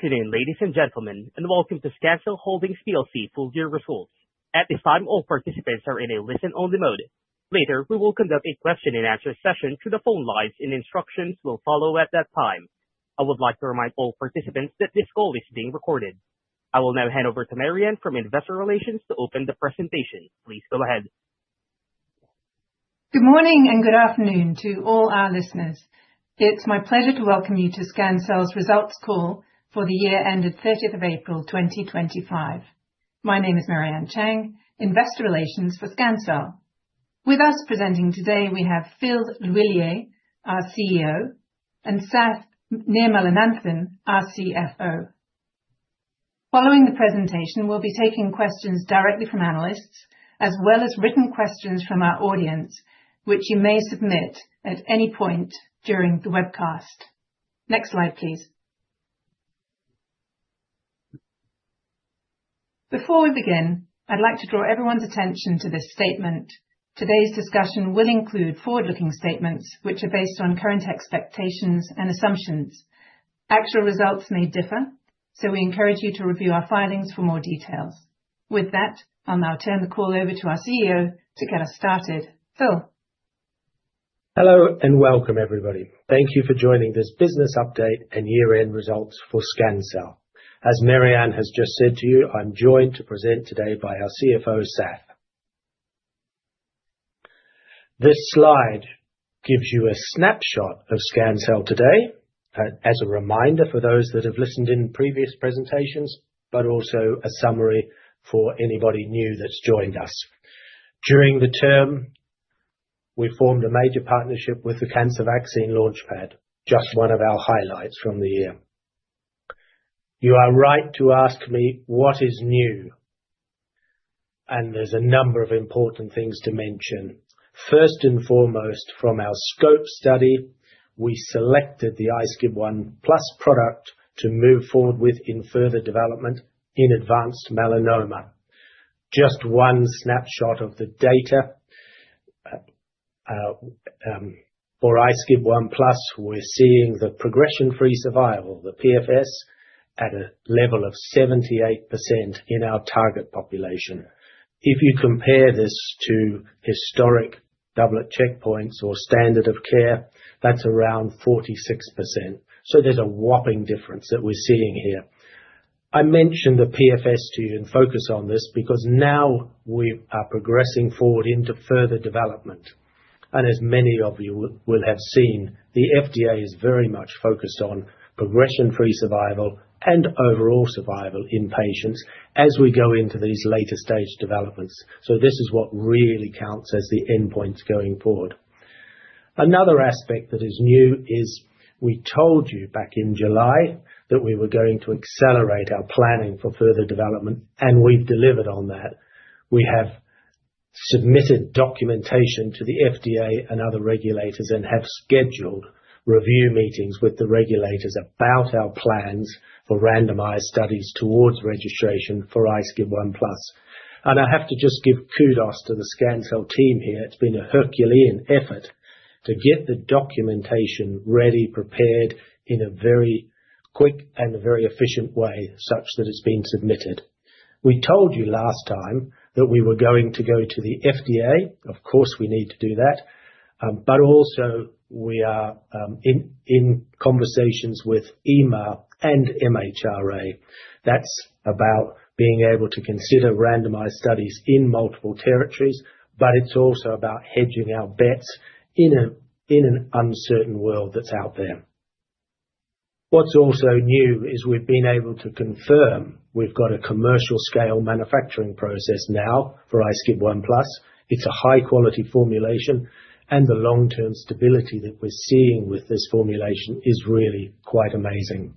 Good afternoon, ladies and gentlemen, and welcome to Scancell Holdings PLC full year results. At this time, all participants are in a listen-only mode. Later, we will conduct a question and answer session through the phone lines and instructions will follow at that time. I would like to remind all participants that this call is being recorded. I will now hand over to Mary-Ann Chang from Investor Relations to open the presentation. Please go ahead. Good morning and good afternoon to all our listeners. It's my pleasure to welcome you to Scancell's results call for the year ended 30th of April, 2025. My name is Mary-Ann Chang, Investor Relations for Scancell. With us presenting today, we have Phil L'Huillier, our CEO, and Sath Nirmalananthan, our CFO. Following the presentation, we'll be taking questions directly from analysts as well as written questions from our audience, which you may submit at any point during the webcast. Next slide, please. Before we begin, I'd like to draw everyone's attention to this statement. Today's discussion will include forward-looking statements, which are based on current expectations and assumptions. Actual results may differ, so we encourage you to review our filings for more details. With that, I'll now turn the call over to our CEO to get us started. Phil? Hello and welcome, everybody. Thank you for joining this business update and year-end results for Scancell. As Mary-Ann has just said to you, I'm joined to present today by our CFO, Sath. This slide gives you a snapshot of Scancell today, as a reminder for those that have listened in previous presentations, but also a summary for anybody new that's joined us. During the term, we formed a major partnership with the Cancer Vaccine Launch Pad, just one of our highlights from the year. You are right to ask me what is new, and there's a number of important things to mention. First and foremost, from our SCOPE study, we selected the iSCIB1+ product to move forward with in further development in advanced melanoma. Just one snapshot of the data for iSCIB1+, we're seeing the progression-free survival, the PFS, at a level of 78% in our target population. If you compare this to historic doublet checkpoints or standard of care, that's around 46%. There's a whopping difference that we're seeing here. I mentioned the PFS to you and focus on this because now we are progressing forward into further development. As many of you will have seen, the FDA is very much focused on progression-free survival and overall survival in patients as we go into these later-stage developments. This is what really counts as the endpoints going forward. Another aspect that is new is we told you back in July that we were going to accelerate our planning for further development, and we've delivered on that. We have submitted documentation to the FDA and other regulators and have scheduled review meetings with the regulators about our plans for randomized studies towards registration for iSCIB1+. I have to just give kudos to the Scancell team here. It's been a Herculean effort to get the documentation ready, prepared in a very quick and very efficient way such that it's been submitted. We told you last time that we were going to go to the FDA. Of course, we need to do that. But also we are in conversations with EMA and MHRA. That's about being able to consider randomized studies in multiple territories, but it's also about hedging our bets in an uncertain world that's out there. What's also new is we've been able to confirm we've got a commercial scale manufacturing process now for iSCIB1+. It's a high-quality formulation and the long-term stability that we're seeing with this formulation is really quite amazing.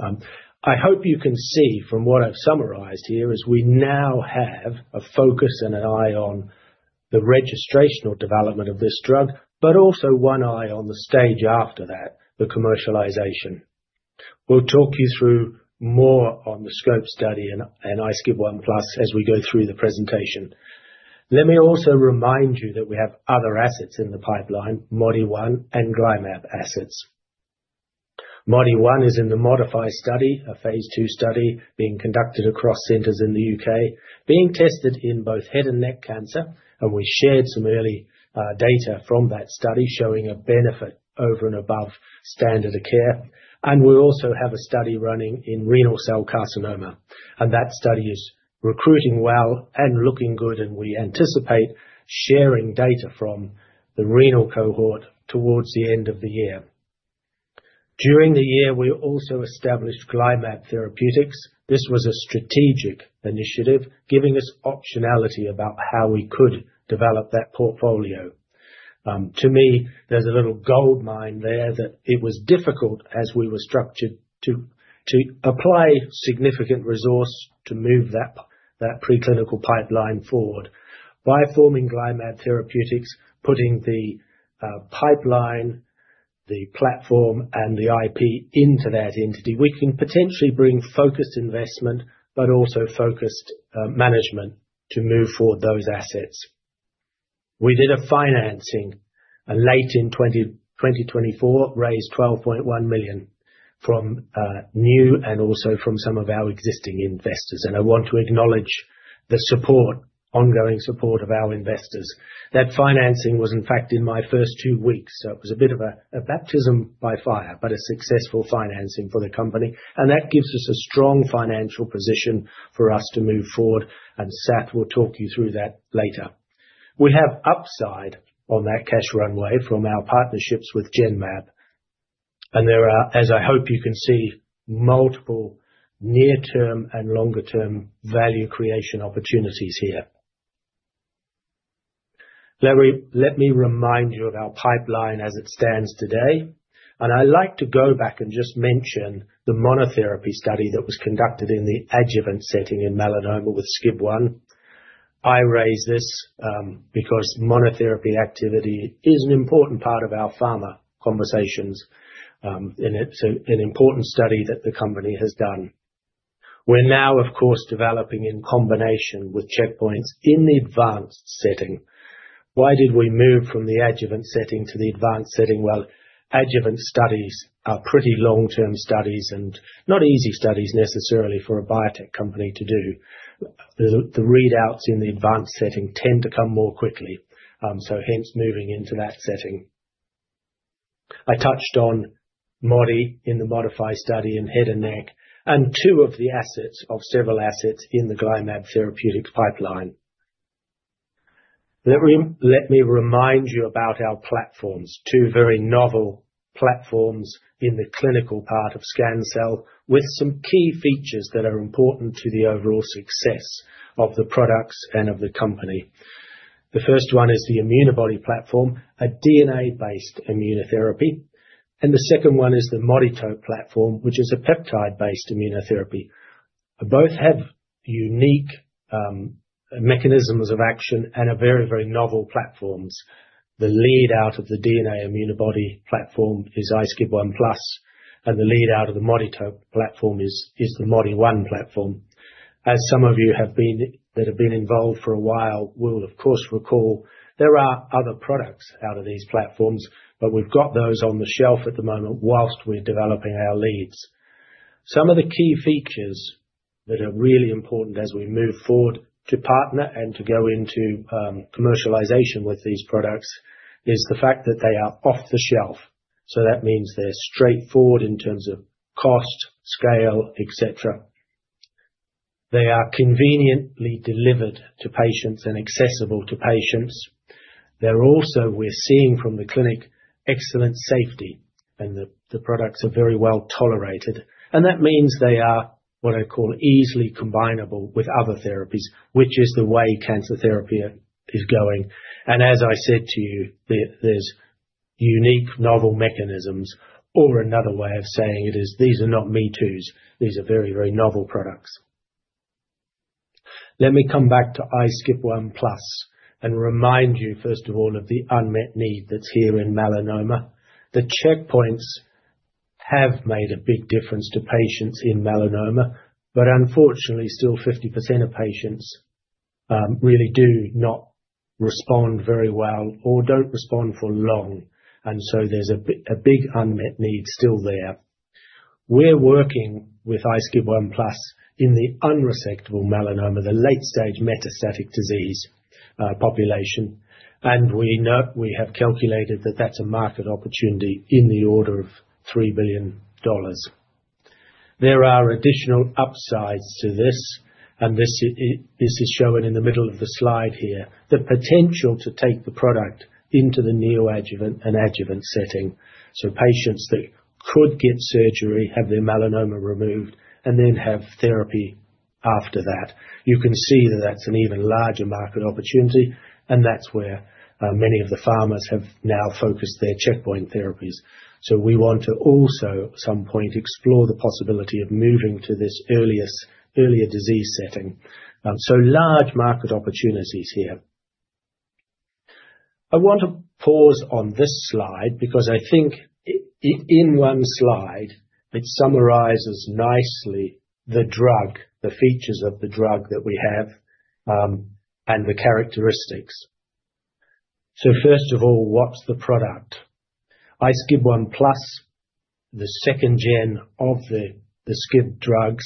I hope you can see from what I've summarized here is we now have a focus and an eye on the registrational development of this drug, but also one eye on the stage after that, the commercialization. We'll talk you through more on the SCOPE study and iSCIB1+ as we go through the presentation. Let me also remind you that we have other assets in the pipeline, Modi-1 and GlyMab assets. Modi-1 is in the ModiFY study, a phase II study being conducted across centers in the U.K., being tested in both head and neck cancer, and we shared some early data from that study showing a benefit over and above standard of care. We also have a study running in renal cell carcinoma, and that study is recruiting well and looking good, and we anticipate sharing data from the renal cohort towards the end of the year. During the year, we also established GlyMab Therapeutics. This was a strategic initiative, giving us optionality about how we could develop that portfolio. To me, there's a little goldmine there that it was difficult as we were structured to apply significant resource to move that preclinical pipeline forward. By forming GlyMab Therapeutics, putting the pipeline, the platform, and the IP into that entity, we can potentially bring focused investment, but also focused management to move forward those assets. We did a financing late in 2024, raised 12.1 million from new and also from some of our existing investors. I want to acknowledge the support, ongoing support of our investors. That financing was in fact in my first two weeks, so it was a bit of a baptism by fire, but a successful financing for the company. That gives us a strong financial position for us to move forward, and Sath will talk you through that later. We have upside on that cash runway from our partnerships with Genmab, and there are, as I hope you can see, multiple near-term and longer-term value creation opportunities here. Let me remind you of our pipeline as it stands today, and I like to go back and just mention the monotherapy study that was conducted in the adjuvant setting in melanoma with SCIB1. I raise this because monotherapy activity is an important part of our pharma conversations, and it's an important study that the company has done. We're now, of course, developing in combination with checkpoints in the advanced setting. Why did we move from the adjuvant setting to the advanced setting? Well, adjuvant studies are pretty long-term studies and not easy studies necessarily for a biotech company to do. The readouts in the advanced setting tend to come more quickly, so hence moving into that setting. I touched on Modi-1 in the ModiFY study in head and neck and two of several assets in the GlyMab therapeutic pipeline. Let me remind you about our platforms. Two very novel platforms in the clinical part of Scancell, with some key features that are important to the overall success of the products and of the company. The first one is the Immunobody platform, a DNA-based immunotherapy. The second one is the Moditope platform, which is a peptide-based immunotherapy. Both have unique mechanisms of action and are very, very novel platforms. The lead out of the DNA Immunobody platform is iSCIB1+, and the lead out of the Moditope platform is Modi-1. As some of you that have been involved for a while will of course recall, there are other products out of these platforms, but we've got those on the shelf at the moment whilst we're developing our leads. Some of the key features that are really important as we move forward to partner and to go into, commercialization with these products is the fact that they are off-the-shelf. That means they're straightforward in terms of cost, scale, et cetera. They are conveniently delivered to patients and accessible to patients. They're also, we're seeing from the clinic, excellent safety, and the products are very well-tolerated. That means they are, what I call, easily combinable with other therapies, which is the way cancer therapy is going. As I said to you, there's unique novel mechanisms. Another way of saying it is these are not me-toos. These are very, very novel products. Let me come back to iSCIB1+ and remind you first of all of the unmet need that's here in melanoma. The checkpoints have made a big difference to patients in melanoma, but unfortunately, still 50% of patients really do not respond very well or don't respond for long. There's a big unmet need still there. We're working with iSCIB1+ in the unresectable melanoma, the late stage metastatic disease population. We have calculated that that's a market opportunity in the order of $3 billion. There are additional upsides to this, and this is shown in the middle of the slide here. The potential to take the product into the neoadjuvant and adjuvant setting. Patients that could get surgery, have their melanoma removed, and then have therapy after that. You can see that that's an even larger market opportunity, and that's where many of the pharmas have now focused their checkpoint therapies. We want to also, at some point, explore the possibility of moving to this earlier disease setting. Large market opportunities here. I want to pause on this slide because I think in one slide, it summarizes nicely the drug, the features of the drug that we have, and the characteristics. First of all, what's the product? iSCIB1+, the second gen of the SCIB drugs.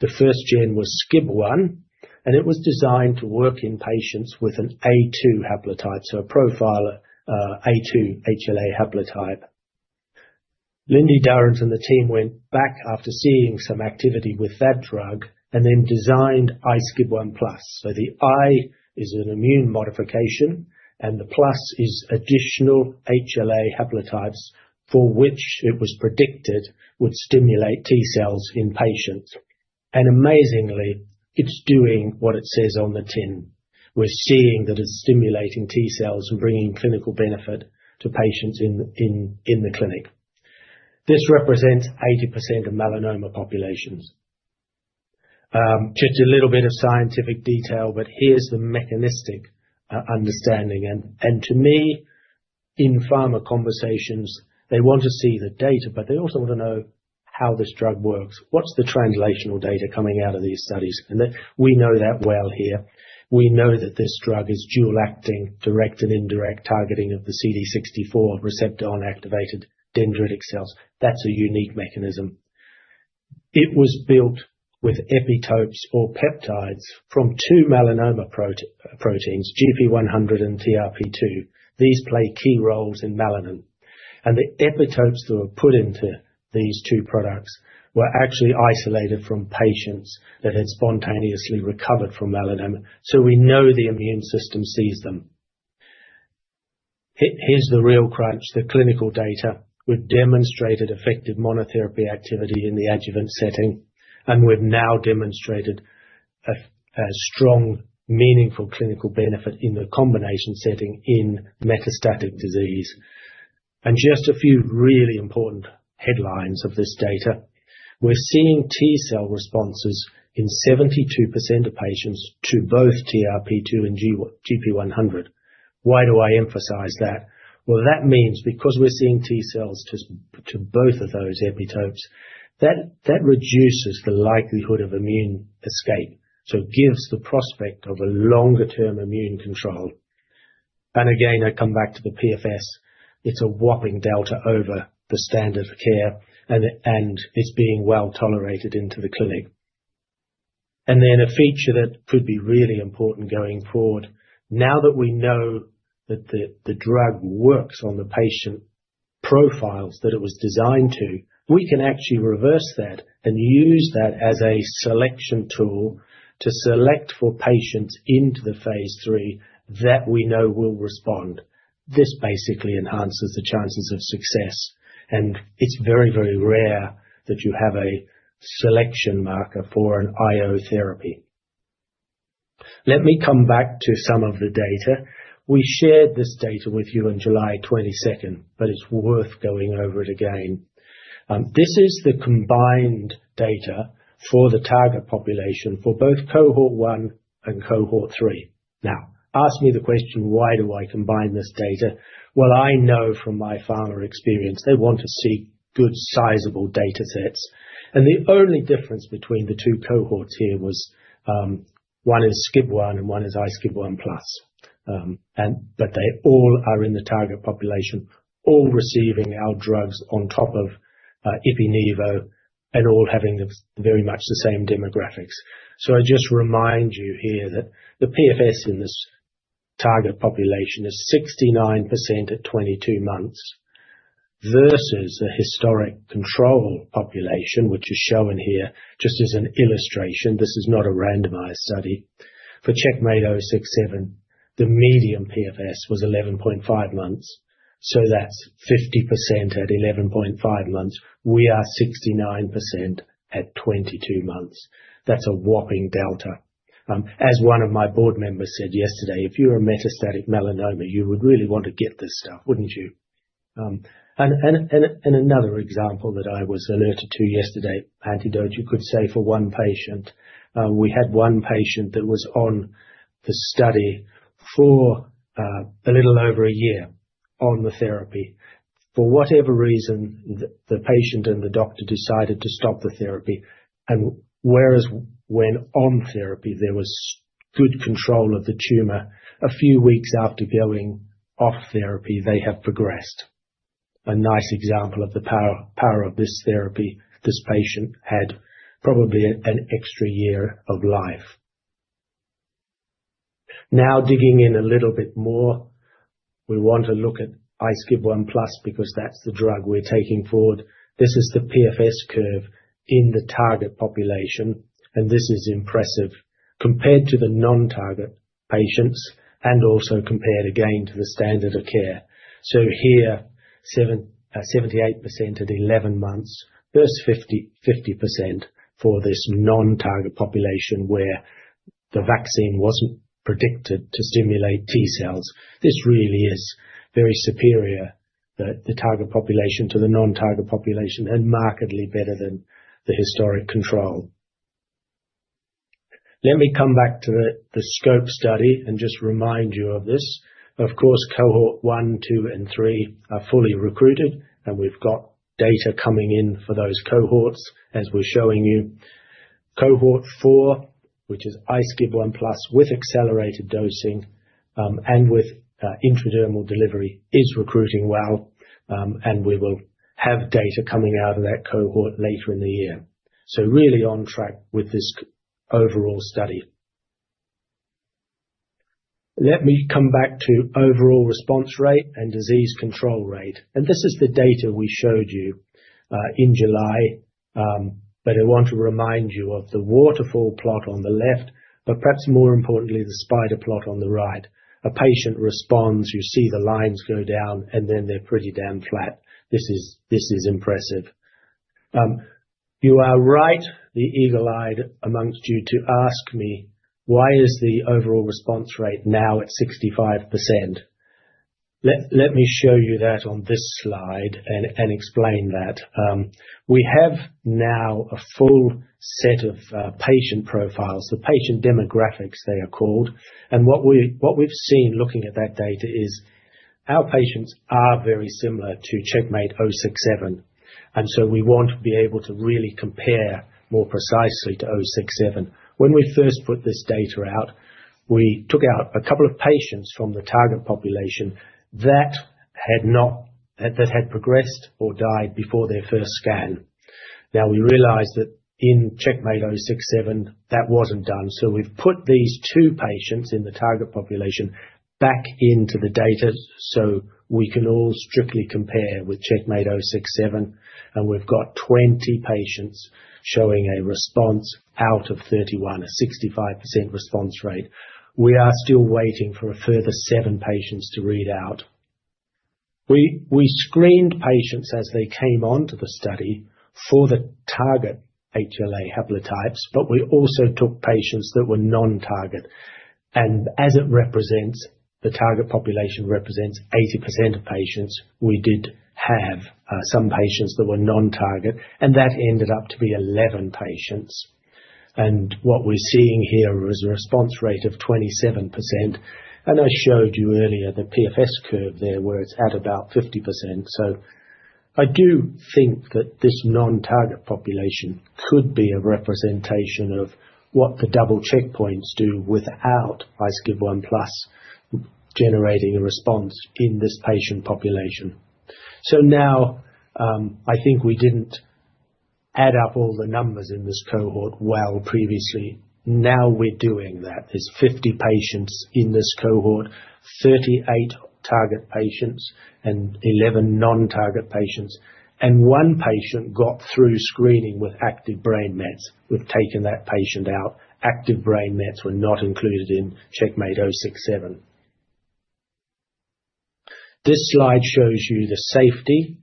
The first gen was SCIB1, and it was designed to work in patients with an HLA-A2 haplotype, so a profile HLA-A2 haplotype. Lindy Durrant and the team went back after seeing some activity with that drug and then designed iSCIB1+. The I is an immune modification, and the plus is additional HLA haplotypes for which it was predicted would stimulate T-cells in patients. Amazingly, it's doing what it says on the tin. We're seeing that it's stimulating T-cells and bringing clinical benefit to patients in the clinic. This represents 80% of melanoma populations. Just a little bit of scientific detail, but here's the mechanistic understanding. To me, in pharma conversations, they want to see the data, but they also want to know how this drug works, what's the translational data coming out of these studies? That we know that well here. We know that this drug is dual acting, direct and indirect targeting of the CD64 receptor on activated dendritic cells. That's a unique mechanism. It was built with epitopes or peptides from two melanoma proteins, GP100 and TRP2. These play key roles in melanoma. The epitopes that were put into these two products were actually isolated from patients that had spontaneously recovered from melanoma, so we know the immune system sees them. Here's the real crunch, the clinical data. We've demonstrated effective monotherapy activity in the adjuvant setting, and we've now demonstrated a strong, meaningful clinical benefit in the combination setting in metastatic disease. Just a few really important headlines of this data. We're seeing T-cell responses in 72% of patients to both TRP2 and GP100. Why do I emphasize that? Well, that means because we're seeing T-cells to both of those epitopes, that reduces the likelihood of immune escape. So it gives the prospect of a longer-term immune control. Again, I come back to the PFS. It's a whopping delta over the standard of care, and it's being well-tolerated into the clinic. A feature that could be really important going forward. Now that we know that the drug works on the patient profiles that it was designed to, we can actually reverse that and use that as a selection tool to select for patients into the phase III that we know will respond. This basically enhances the chances of success, and it's very, very rare that you have a selection marker for an IO therapy. Let me come back to some of the data. We shared this data with you on July 22nd, but it's worth going over it again. This is the combined data for the target population for both Cohort 1 and Cohort 3. Now, ask me the question, why do I combine this data? Well, I know from my pharma experience, they want to see good sizable datasets. The only difference between the two cohorts here was one is SCIB1 and one is iSCIB1+. But they all are in the target population, all receiving our drugs on top of Ipi/Nivo and all having a very much the same demographics. I just remind you here that the PFS in this target population is 69% at 22 months versus the historic control population, which is shown here just as an illustration. This is not a randomized study. For CheckMate 067, the median PFS was 11.5 months, so that's 50% at 11.5 months. We are 69% at 22 months. That's a whopping delta. As one of my board members said yesterday, "If you're a metastatic melanoma, you would really want to get this stuff, wouldn't you?" And another example that I was alerted to yesterday, anecdote, you could say for one patient, we had one patient that was on the study for a little over a year on the therapy. For whatever reason, the patient and the doctor decided to stop the therapy. Whereas when on therapy, there was good control of the tumor, a few weeks after going off therapy, they have progressed. A nice example of the power of this therapy. This patient had probably an extra year of life. Now, digging in a little bit more, we want to look at iSCIB1+ because that's the drug we're taking forward. This is the PFS curve in the target population, and this is impressive compared to the non-target patients and also compared again to the standard of care. Here, 78% at 11 months versus 50% for this non-target population where the vaccine wasn't predicted to stimulate T-cells. This really is very superior, the target population to the non-target population and markedly better than the historic control. Let me come back to the SCOPE study and just remind you of this. Of course, Cohort 1, 2, and 3 are fully recruited, and we've got data coming in for those cohorts as we're showing you. Cohort 4, which is iSCIB1+ with accelerated dosing, and with intradermal delivery, is recruiting well, and we will have data coming out of that cohort later in the year. Really on track with this overall study. Let me come back to overall response rate and disease control rate. This is the data we showed you in July. I want to remind you of the waterfall plot on the left, but perhaps more importantly, the spider plot on the right. A patient responds, you see the lines go down, and then they're pretty damn flat. This is impressive. You are right, the eagle-eyed amongst you, to ask me, "Why is the overall response rate now at 65%?" Let me show you that on this slide and explain that. We have now a full set of patient profiles, the patient demographics they are called. What we've seen looking at that data is our patients are very similar to CheckMate 067, we want to be able to really compare more precisely to 067. When we first put this data out, we took out a couple of patients from the target population that had progressed or died before their first scan. Now, we realized that in CheckMate 067, that wasn't done. We've put these two patients in the target population back into the data so we can all strictly compare with CheckMate 067, we've got 20 patients showing a response out of 31, a 65% response rate. We are still waiting for a further seven patients to read out. We screened patients as they came onto the study for the target HLA haplotypes, but we also took patients that were non-target. The target population represents 80% of patients, we did have some patients that were non-target, and that ended up to be 11 patients. What we're seeing here is a response rate of 27%. I showed you earlier the PFS curve there, where it's at about 50%. I do think that this non-target population could be a representation of what the double checkpoints do without iSCIB1+ generating a response in this patient population. Now I think we didn't add up all the numbers in this cohort well previously. Now we're doing that. There's 50 patients in this cohort, 38 target patients and 11 non-target patients. 1 patient got through screening with active brain mets. We've taken that patient out. Active brain mets were not included in CheckMate 067. This slide shows you the safety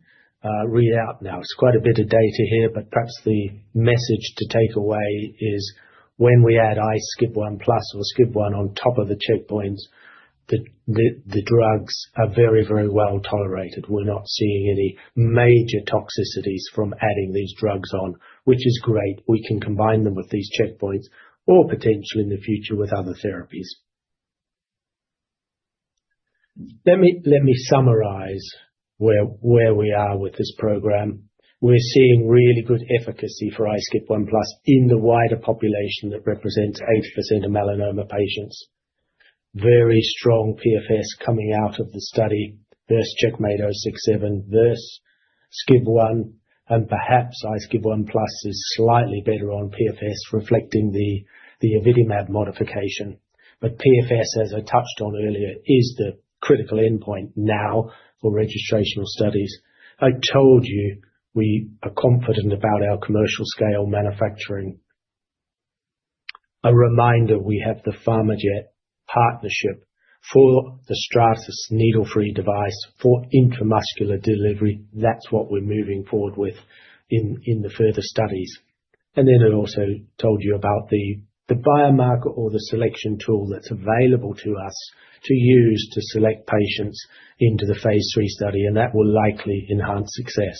readout. Now, it's quite a bit of data here, but perhaps the message to take away is when we add iSCIB1+ or SCIB1 on top of the checkpoints, the drugs are very, very well tolerated. We're not seeing any major toxicities from adding these drugs on, which is great. We can combine them with these checkpoints or potentially in the future with other therapies. Let me summarize where we are with this program. We're seeing really good efficacy for iSCIB1+ in the wider population that represents 80% of melanoma patients. Very strong PFS coming out of the study versus CheckMate 067 versus SCIB1, and perhaps iSCIB1+ is slightly better on PFS, reflecting the AvidiMab modification. PFS, as I touched on earlier, is the critical endpoint now for registrational studies. I told you we are confident about our commercial scale manufacturing. A reminder, we have the PharmaJet partnership for the Stratis needle-free device for intramuscular delivery. That's what we're moving forward with in the further studies. Then I also told you about the biomarker or the selection tool that's available to us to use to select patients into the phase III study, and that will likely enhance success.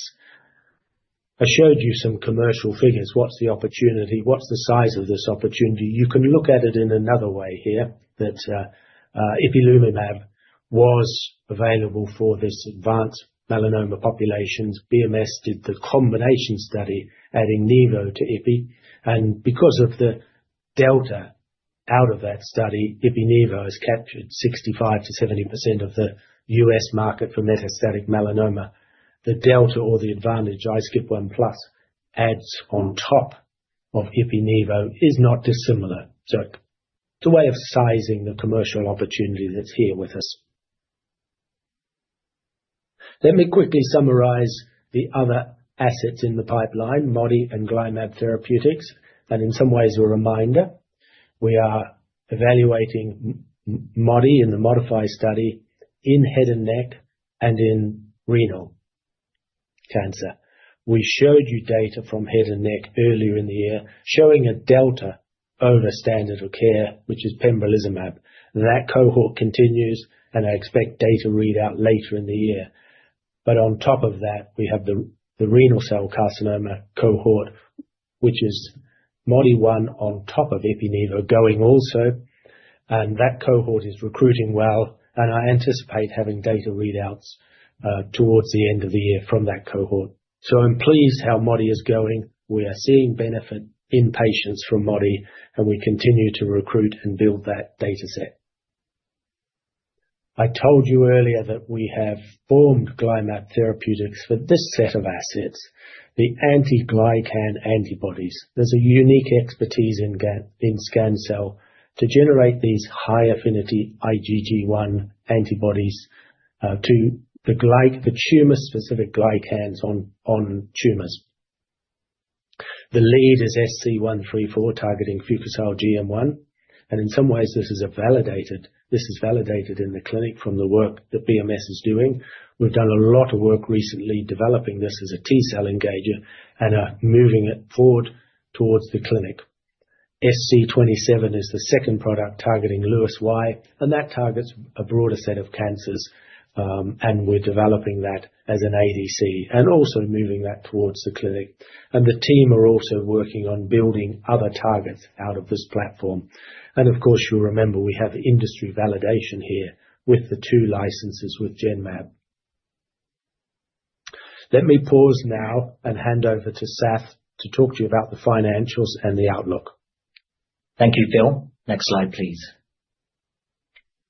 I showed you some commercial figures. What's the opportunity? What's the size of this opportunity? You can look at it in another way here, that ipilimumab was available for this advanced melanoma populations. BMS did the combination study adding nivo to ipi, and because of the delta out of that study, ipi/nivo has captured 65%-70% of the U.S. market for metastatic melanoma. The delta or the advantage SCIB1+ adds on top of ipi/nivo is not dissimilar. It's a way of sizing the commercial opportunity that's here with us. Let me quickly summarize the other assets in the pipeline, Modi and GlyMab Therapeutics, and in some ways a reminder. We are evaluating Modi-1 in the ModiFY study in head and neck and in renal cancer. We showed you data from head and neck earlier in the year showing a delta over standard of care, which is pembrolizumab. That cohort continues, and I expect data readout later in the year. On top of that, we have the renal cell carcinoma cohort, which is Modi-1 on top of ipi/nivo going also. That cohort is recruiting well, and I anticipate having data readouts towards the end of the year from that cohort. I'm pleased how Modi-1 is going. We are seeing benefit in patients from Modi-1, and we continue to recruit and build that dataset. I told you earlier that we have formed GlyMab Therapeutics for this set of assets, the anti-glycan antibodies. There's a unique expertise in Scancell to generate these high-affinity IgG1 antibodies to the tumor-specific glycans on tumors. The lead is SC134 targeting fucosyl-GM1, and in some ways, this is a validated, this is validated in the clinic from the work that BMS is doing. We've done a lot of work recently developing this as a T-cell engager and are moving it forward towards the clinic. SC27 is the second product targeting Lewis Y, and that targets a broader set of cancers. We're developing that as an ADC, and also moving that towards the clinic. The team are also working on building other targets out of this platform. Of course, you'll remember we have industry validation here with the two licenses with Genmab. Let me pause now and hand over to Sath to talk to you about the financials and the outlook. Thank you, Phil. Next slide, please.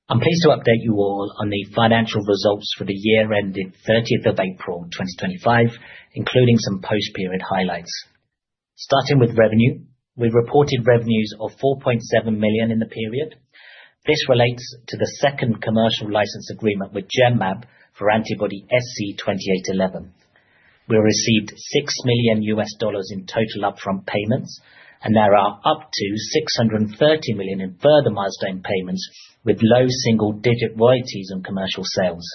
I'm pleased to update you all on the financial results for the year ending 30th of April, 2025, including some post-period highlights. Starting with revenue, we reported revenues of 4.7 million in the period. This relates to the second commercial license agreement with Genmab for antibody SC2811. We received $6 million in total upfront payments, and there are up to $630 million in further milestone payments with low single-digit royalties on commercial sales.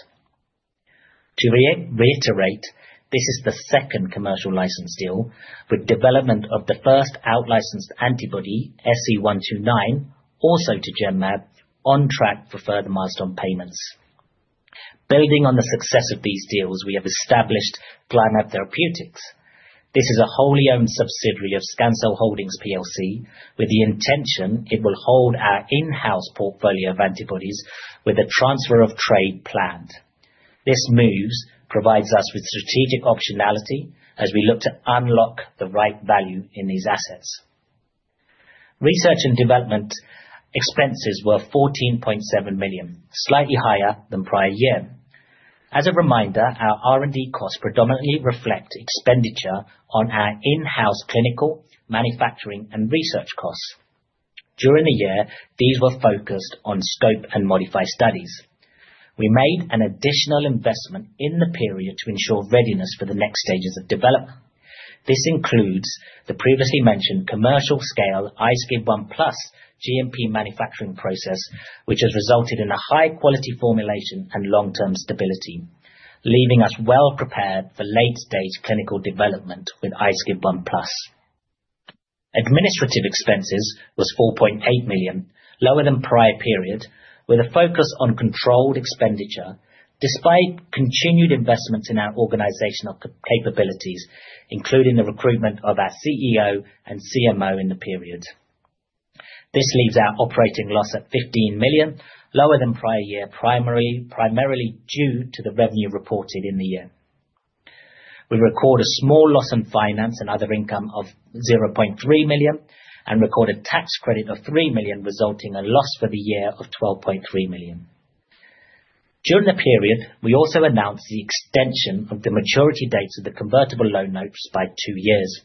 To reiterate, this is the second commercial license deal with development of the first outlicensed antibody, SC129, also to Genmab, on track for further milestone payments. Building on the success of these deals, we have established GlyMab Therapeutics. This is a wholly-owned subsidiary of Scancell Holdings PLC, with the intention it will hold our in-house portfolio of antibodies with a transfer of trade planned. This move provides us with strategic optionality as we look to unlock the right value in these assets. Research and development expenses were 14.7 million, slightly higher than prior year. As a reminder, our R&D costs predominantly reflect expenditure on our in-house clinical, manufacturing, and research costs. During the year, these were focused on SCOPE and ModiFY studies. We made an additional investment in the period to ensure readiness for the next stages of development. This includes the previously mentioned commercial-scale iSCIB1+ GMP manufacturing process, which has resulted in a high-quality formulation and long-term stability, leaving us well prepared for late-stage clinical development with iSCIB1+. Administrative expenses was 4.8 million, lower than prior period, with a focus on controlled expenditure despite continued investments in our organizational capabilities, including the recruitment of our CEO and CMO in the period. This leaves our operating loss at 15 million, lower than prior year, primarily due to the revenue reported in the year. We record a small loss in finance and other income of 0.3 million and recorded a tax credit of 3 million, resulting in a loss for the year of 12.3 million. During the period, we also announced the extension of the maturity dates of the convertible loan notes by two years.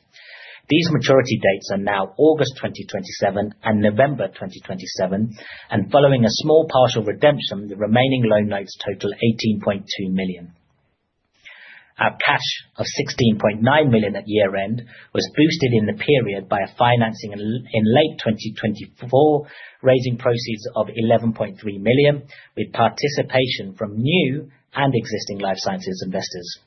These maturity dates are now August 2027 and November 2027, and following a small partial redemption, the remaining loan notes total 18.2 million. Our cash of 16.9 million at year-end was boosted in the period by a financing in late 2024, raising proceeds of 11.3 million, with participation from new and existing life sciences investors.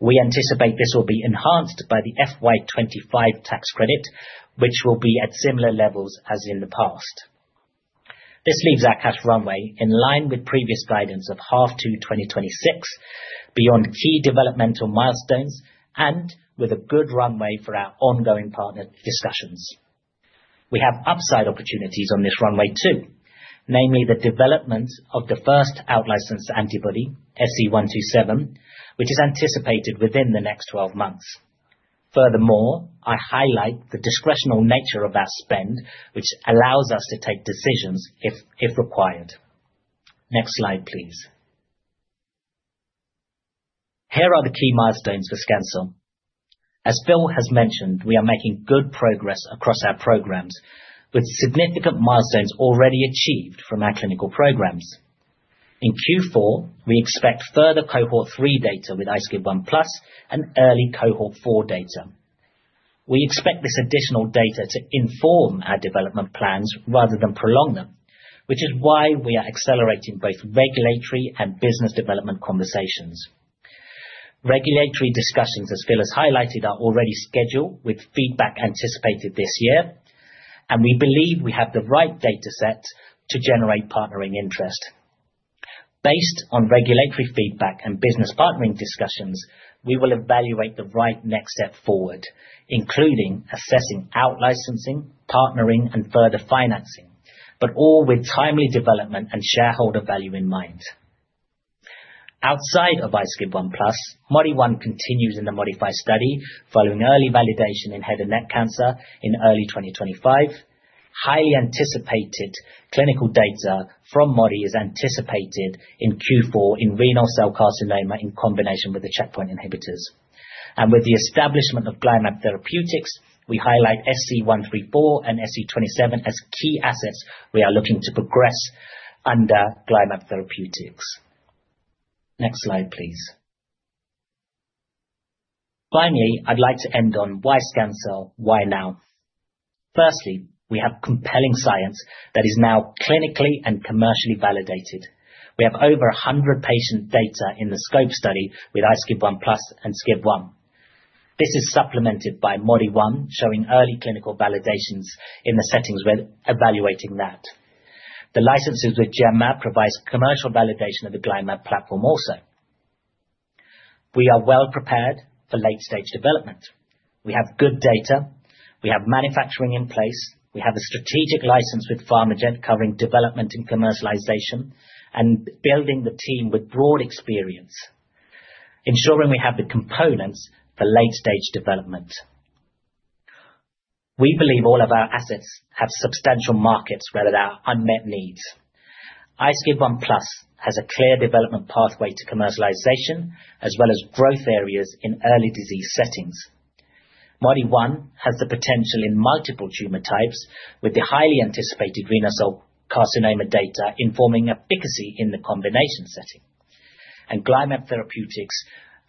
We anticipate this will be enhanced by the FY 2025 tax credit, which will be at similar levels as in the past. This leaves our cash runway in line with previous guidance of half to 2026 beyond key developmental milestones and with a good runway for our ongoing partner discussions. We have upside opportunities on this runway too, namely the development of the first outlicensed antibody, SC127, which is anticipated within the next 12 months. Furthermore, I highlight the discretionary nature of our spend, which allows us to take decisions if required. Next slide, please. Here are the key milestones for Scancell. As Phil has mentioned, we are making good progress across our programs with significant milestones already achieved from our clinical programs. In Q4, we expect further cohort three data with iSCIB1+ and early cohort four data. We expect this additional data to inform our development plans rather than prolong them, which is why we are accelerating both regulatory and business development conversations. Regulatory discussions, as Phil has highlighted, are already scheduled with feedback anticipated this year, and we believe we have the right data set to generate partnering interest. Based on regulatory feedback and business partnering discussions, we will evaluate the right next step forward, including assessing out licensing, partnering, and further financing, but all with timely development and shareholder value in mind. Outside of iSCIB1+, Modi-1 continues in the ModiFY study following early validation in head and neck cancer in early 2025. Highly anticipated clinical data from Modi-1 is anticipated in Q4 in renal cell carcinoma in combination with the checkpoint inhibitors. With the establishment of GlyMab Therapeutics, we highlight SC134 and SC27 as key assets we are looking to progress under GlyMab Therapeutics. Next slide, please. Finally, I'd like to end on why Scancell, why now? Firstly, we have compelling science that is now clinically and commercially validated. We have over 100 patient data in the SCOPE study with iSCIB1+ and SCIB1. This is supplemented by Modi-1, showing early clinical validations in the settings we're evaluating that. The licenses with Genmab provides commercial validation of the GlyMab platform also. We are well-prepared for late-stage development. We have good data, we have manufacturing in place, we have a strategic license with PharmaJet covering development and commercialization, and building the team with broad experience, ensuring we have the components for late-stage development. We believe all of our assets have substantial markets where there are unmet needs. iSCIB1+ has a clear development pathway to commercialization as well as growth areas in early disease settings. Modi-1 has the potential in multiple tumor types with the highly anticipated renal cell carcinoma data informing efficacy in the combination setting. GlyMab Therapeutics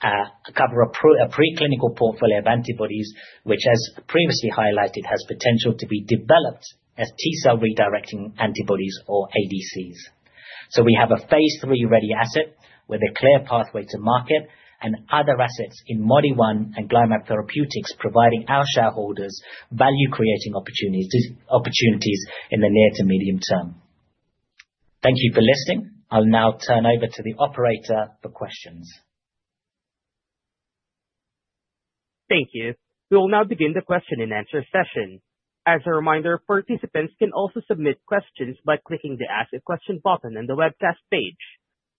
covers a preclinical portfolio of antibodies, which as previously highlighted, has potential to be developed as T-cell redirecting antibodies or ADCs. We have a phase III-ready asset with a clear pathway to market and other assets in Modi-1 and GlyMab Therapeutics, providing our shareholders value-creating opportunities in the near to medium term. Thank you for listening. I'll now turn over to the operator for questions. Thank you. We will now begin the question and answer session. As a reminder, participants can also submit questions by clicking the Ask a Question button on the webcast page.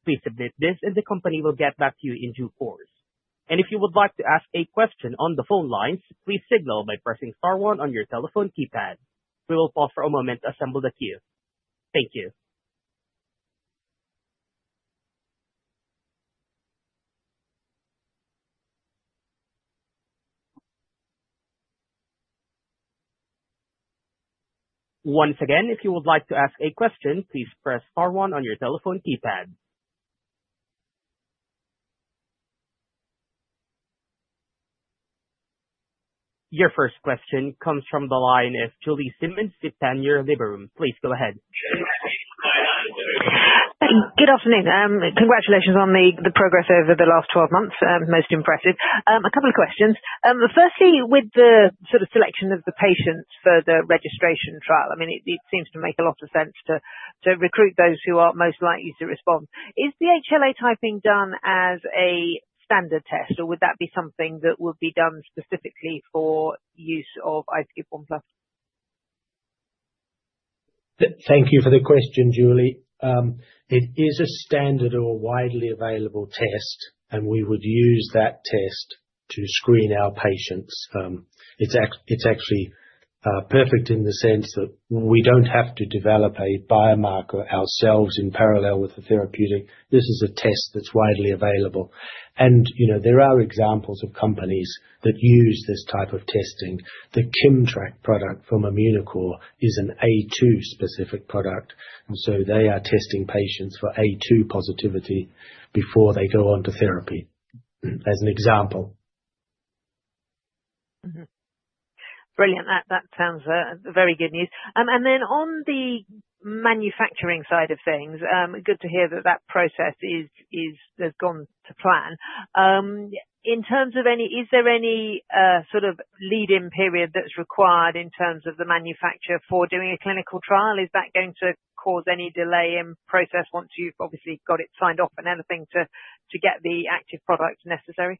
Please submit this and the company will get back to you in due course. If you would like to ask a question on the phone lines, please signal by pressing star one on your telephone keypad. We will pause for a moment to assemble the queue. Thank you. Once again, if you would like to ask a question, please press star one on your telephone keypad. Your first question comes from the line of Julie Simmonds with Panmure Liberum. Please go ahead. Good afternoon. Congratulations on the progress over the last 12 months. Most impressive. A couple of questions. Firstly with the sort of selection of the patients for the registration trial, I mean, it seems to make a lot of sense to recruit those who are most likely to respond. Is the HLA typing done as a standard test, or would that be something that would be done specifically for use of iSCIB1+? Thank you for the question, Julie. It is a standard or widely available test, and we would use that test to screen our patients. It's actually perfect in the sense that we don't have to develop a biomarker ourselves in parallel with the therapeutic. This is a test that's widely available. You know, there are examples of companies that use this type of testing. The KIMMTRAK product from Immunocore is an A2 specific product, and so they are testing patients for A2 positivity before they go onto therapy, as an example. Brilliant. That sounds very good news. On the manufacturing side of things, good to hear that process has gone to plan. Is there any sort of lead-in period that's required in terms of the manufacture for doing a clinical trial? Is that going to cause any delay in process once you've obviously got it signed off and everything to get the active product necessary?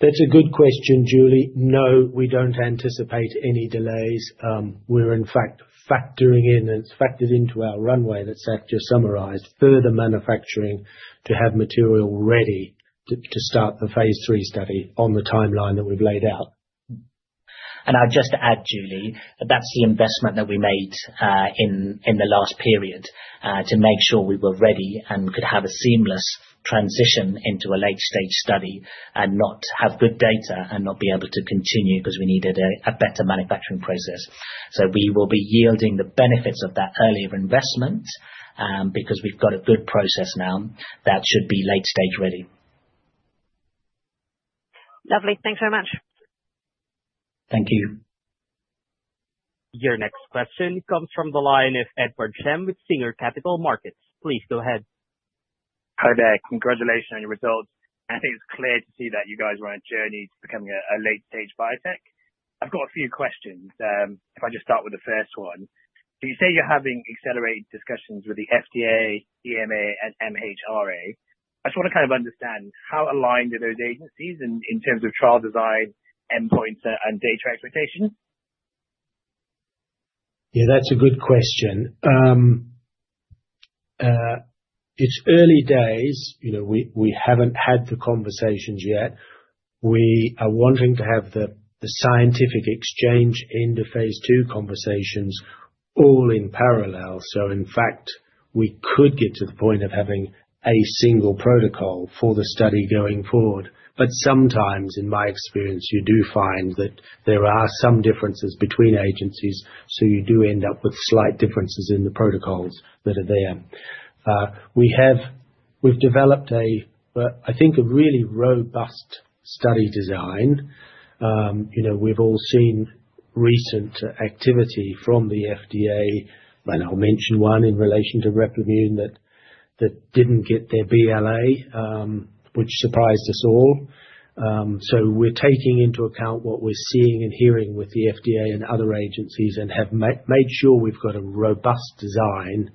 That's a good question, Julie. No, we don't anticipate any delays. We're in fact factoring in, and it's factored into our runway that Sath just summarized, further manufacturing to have material ready to start the phase III study on the timeline that we've laid out. I'd just add, Julie, that that's the investment that we made in the last period to make sure we were ready and could have a seamless transition into a late-stage study and not have good data and not be able to continue because we needed a better manufacturing process. We will be yielding the benefits of that earlier investment because we've got a good process now that should be late-stage ready. Lovely. Thanks so much. Thank you. Your next question comes from the line of Edward Sham with Singer Capital Markets. Please go ahead. Hi there. Congratulations on your results. I think it's clear to see that you guys are on a journey to becoming a late stage biotech. I've got a few questions. If I just start with the first one. You say you're having accelerated discussions with the FDA, EMA and MHRA. I just wanna kind of understand, how aligned are those agencies in terms of trial design, endpoints, and data expectations? Yeah, that's a good question. It's early days. You know, we haven't had the conversations yet. We are wanting to have the scientific exchange in the phase II conversations all in parallel. So in fact, we could get to the point of having a single protocol for the study going forward. But sometimes, in my experience, you do find that there are some differences between agencies, so you do end up with slight differences in the protocols that are there. We've developed a, I think, a really robust study design. You know, recent activity from the FDA, and I'll mention one in relation to Replimune that didn't get their BLA, which surprised us all. We're taking into account what we're seeing and hearing with the FDA and other agencies, and have made sure we've got a robust design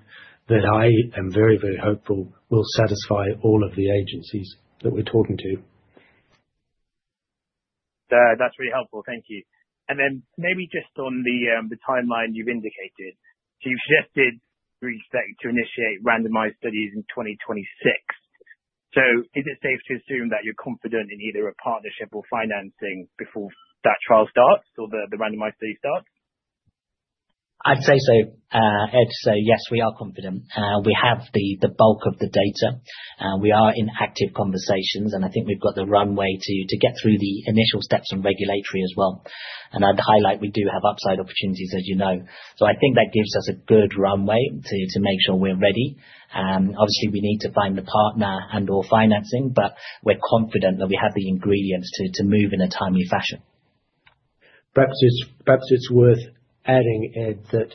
that I am very, very hopeful will satisfy all of the agencies that we're talking to. That's really helpful. Thank you. Then maybe just on the timeline you've indicated. You've shifted to initiate randomized studies in 2026. Is it safe to assume that you're confident in either a partnership or financing before that trial starts or the randomized study starts? I'd say so. Ed, yes, we are confident. We have the bulk of the data. We are in active conversations, and I think we've got the runway to get through the initial steps on regulatory as well. I'd highlight we do have upside opportunities, as you know. I think that gives us a good runway to make sure we're ready. Obviously we need to find a partner and/or financing, but we're confident that we have the ingredients to move in a timely fashion. Perhaps it's worth adding, Ed, that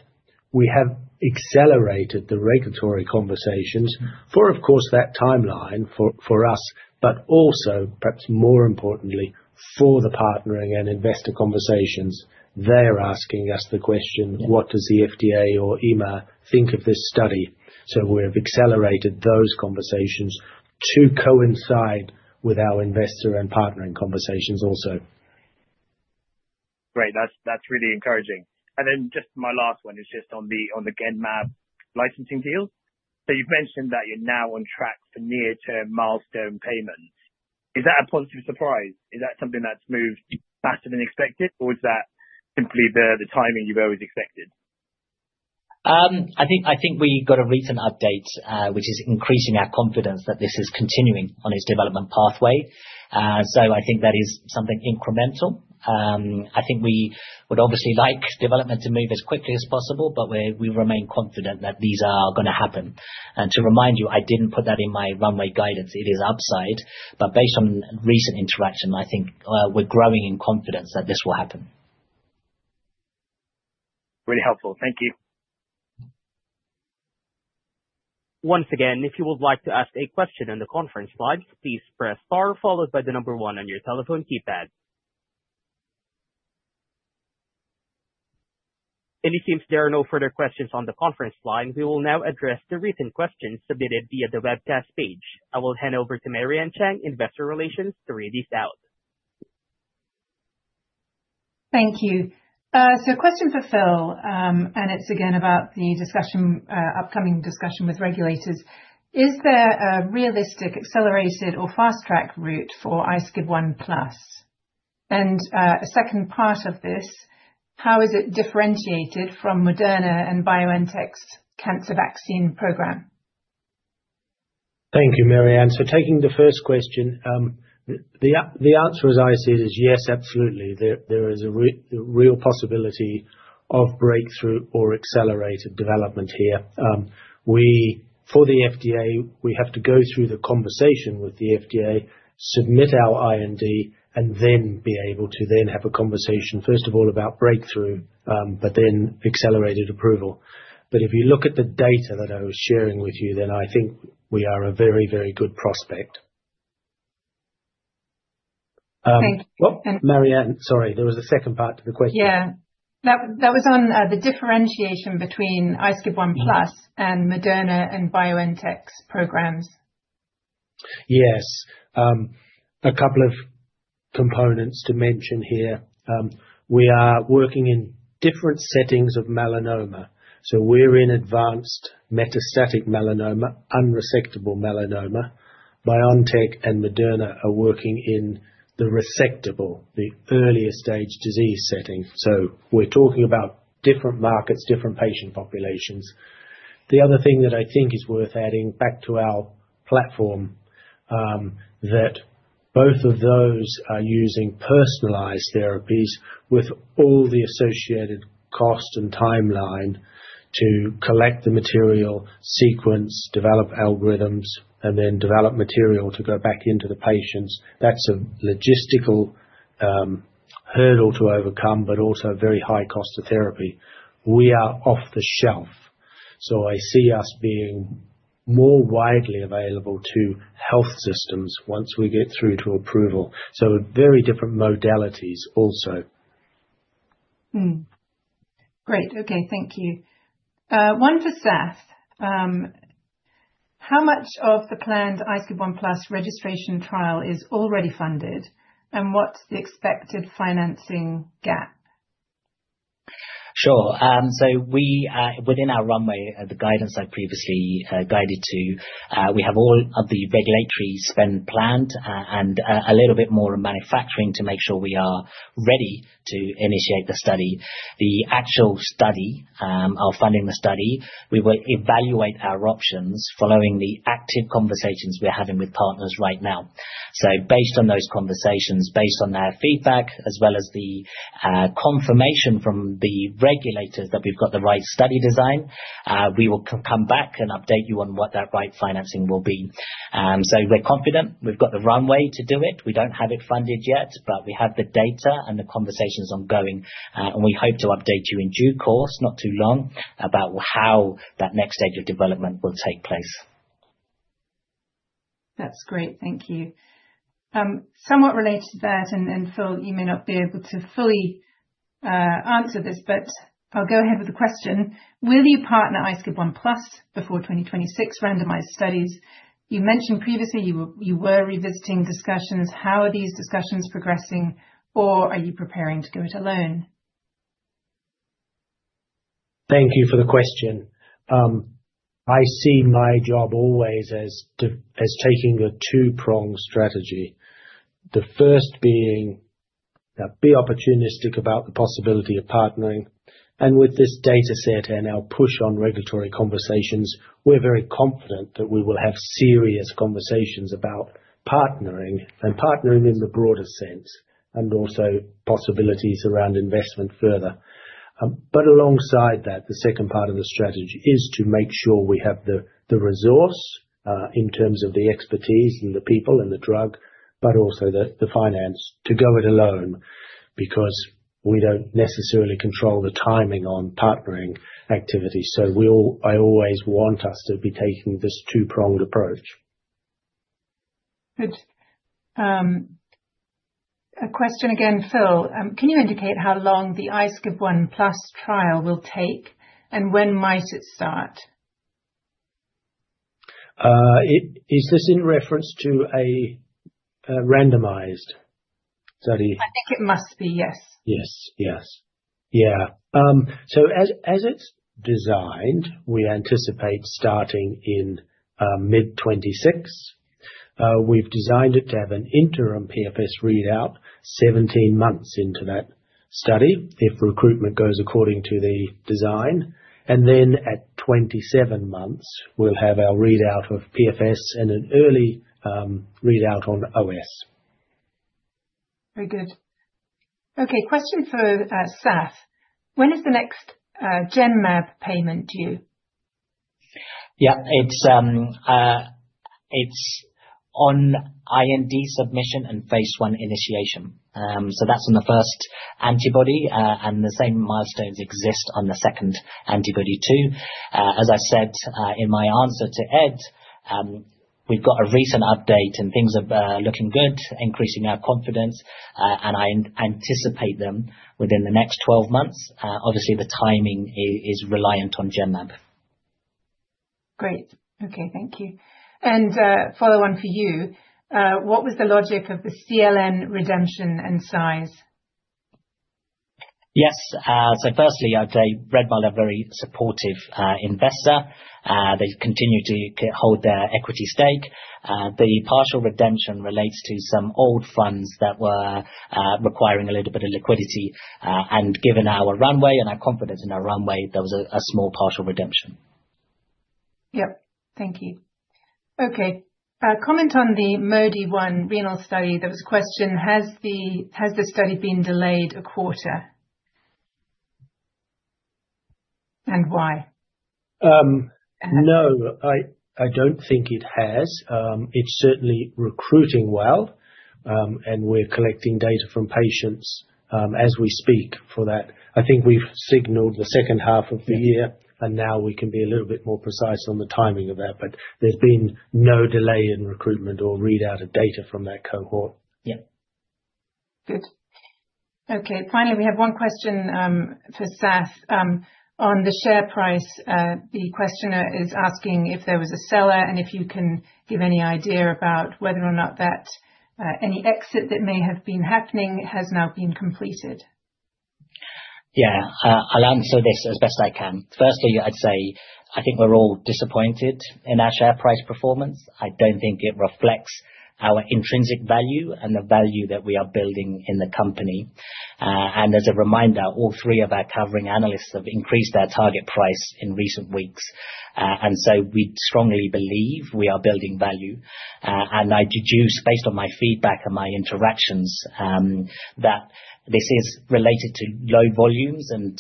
we have accelerated the regulatory conversations for, of course, that timeline for us, but also perhaps more importantly, for the partnering and investor conversations. They're asking us the question. What does the FDA or EMA think of this study? We have accelerated those conversations to coincide with our investor and partnering conversations also. Great. That's really encouraging. Just my last one is just on the Genmab licensing deals. You've mentioned that you're now on track for near-term milestone payments. Is that a positive surprise? Is that something that's moved faster than expected, or is that simply the timing you've always expected? I think we got a recent update, which is increasing our confidence that this is continuing on its development pathway. I think that is something incremental. I think we would obviously like development to move as quickly as possible, but we remain confident that these are gonna happen. To remind you, I didn't put that in my runway guidance. It is upside, but based on recent interaction, I think we're growing in confidence that this will happen. Really helpful. Thank you. Once again, if you would like to ask a question on the conference slides, please press Star followed by the number one on your telephone keypad. It seems there are no further questions on the conference line. We will now address the recent questions submitted via the webcast page. I will hand over to Mary-Ann Chang, Investor Relations, to read these out. Thank you. A question for Phil, and it's again about the upcoming discussion with regulators. Is there a realistic accelerated or fast-track route for iSCIB1+? A second part of this, how is it differentiated from Moderna and BioNTech's cancer vaccine program? Thank you, Mary-Ann. Taking the first question, the answer as I see it is yes, absolutely. There is a real possibility of breakthrough or accelerated development here. We have to go through the conversation with the FDA, submit our IND and be able to have a conversation, first of all about breakthrough, but then accelerated approval. If you look at the data that I was sharing with you, then I think we are a very good prospect. Thank you. Mary-Ann, sorry, there was a second part to the question. Yeah. That was on the differentiation between iSCIB1+ and Moderna and BioNTech's programs. Yes. A couple of components to mention here. We are working in different settings of melanoma. We're in advanced metastatic melanoma, unresectable melanoma. BioNTech and Moderna are working in the resectable, the earlier stage disease setting. We're talking about different markets, different patient populations. The other thing that I think is worth adding back to our platform, that both of those are using personalized therapies with all the associated cost and timeline to collect the material, sequence, develop algorithms, and then develop material to go back into the patients. That's a logistical, hurdle to overcome, but also very high cost of therapy. We are off-the-shelf, so I see us being more widely available to health systems once we get through to approval. Very different modalities also. Great. Okay. Thank you. One for Sath. How much of the planned iSCIB1+ registration trial is already funded, and what's the expected financing gap? Sure. Within our runway, the guidance I previously guided to, we have all of the regulatory spend planned, and a little bit more in manufacturing to make sure we are ready to initiate the study. The actual study, our funding the study, we will evaluate our options following the active conversations we're having with partners right now. Based on those conversations, based on their feedback, as well as the confirmation from the regulators that we've got the right study design, we will come back and update you on what that right financing will be. We're confident we've got the runway to do it. We don't have it funded yet, but we have the data and the conversations ongoing. We hope to update you in due course, not too long, about how that next stage of development will take place. That's great, thank you. Somewhat related to that, and Phil, you may not be able to fully answer this, but I'll go ahead with the question. Will you partner iSCIB1+ before 2026 randomized studies? You mentioned previously you were revisiting discussions. How are these discussions progressing? Or are you preparing to go it alone? Thank you for the question. I see my job always as taking a two-prong strategy. The first being, be opportunistic about the possibility of partnering and with this data set and our push on regulatory conversations, we're very confident that we will have serious conversations about partnering and partnering in the broadest sense, and also possibilities around investment further. But alongside that, the second part of the strategy is to make sure we have the resource in terms of the expertise and the people and the drug, but also the finance to go it alone, because we don't necessarily control the timing on partnering activity. I always want us to be taking this two-pronged approach. Good. A question again, Phil. Can you indicate how long the iSCIB1+ trial will take, and when might it start? Is this in reference to a randomized study? I think it must be, yes. Yes. Yeah. So as it's designed, we anticipate starting in mid 2026. We've designed it to have an interim PFS readout 17 months into that study, if recruitment goes according to the design. At 27 months, we'll have our readout of PFS and an early readout on OS. Very good. Okay, question for Sath. When is the next Genmab payment due? Yeah. It's on IND submission and phase I initiation. That's on the first antibody. The same milestones exist on the second antibody too. As I said, in my answer to Ed, we've got a recent update and things are looking good, increasing our confidence, and I anticipate them within the next 12 months. Obviously the timing is reliant on Genmab. Great. Okay, thank you. Follow on for you. What was the logic of the CLN redemption and size? Yes. Firstly, I'd say Redmile are a very supportive investor. They continue to hold their equity stake. Given our runway and our confidence in our runway, there was a small partial redemption. Yep. Thank you. Okay. Comment on the Modi-1 renal study. There was a question, has the study been delayed a quarter? Why? No. I don't think it has. It's certainly recruiting well, and we're collecting data from patients, as we speak for that. I think we've signaled the second half of the year, and now we can be a little bit more precise on the timing of that. There's been no delay in recruitment or readout of data from that cohort. Yeah. Good. Okay, finally, we have one question for Sath. On the share price, the questioner is asking if there was a seller and if you can give any idea about whether or not that any exit that may have been happening has now been completed. I'll answer this as best I can. Firstly, I'd say I think we're all disappointed in our share price performance. I don't think it reflects our intrinsic value and the value that we are building in the company. As a reminder, all three of our covering analysts have increased their target price in recent weeks. We strongly believe we are building value. I deduce based on my feedback and my interactions that this is related to low volumes and,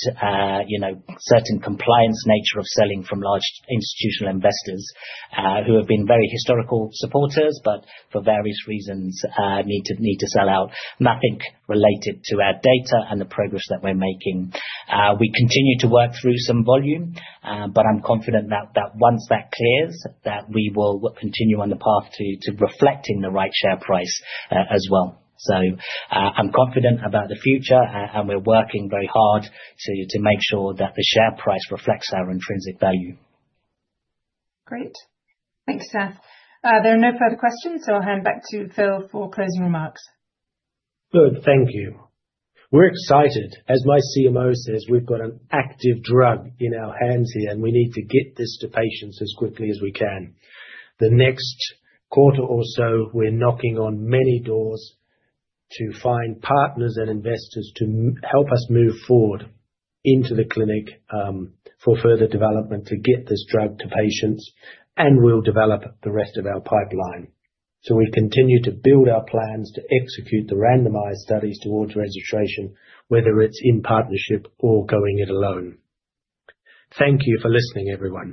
you know, certain compliance nature of selling from large institutional investors who have been very historical supporters, but for various reasons need to sell out. Nothing related to our data and the progress that we're making. We continue to work through some volume, but I'm confident that once that clears, that we will continue on the path to reflecting the right share price, as well. I'm confident about the future and we're working very hard to make sure that the share price reflects our intrinsic value. Great. Thanks, Sath. There are no further questions, so I'll hand back to Phil for closing remarks. Good. Thank you. We're excited. As my CMO says, we've got an active drug in our hands here. We need to get this to patients as quickly as we can. The next quarter or so, we're knocking on many doors to find partners and investors to help us move forward into the clinic, for further development to get this drug to patients, and we'll develop the rest of our pipeline. We continue to build our plans to execute the randomized studies towards registration, whether it's in partnership or going it alone. Thank you for listening, everyone.